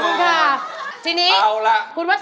เพื่อจะไปชิงรางวัลเงินล้าน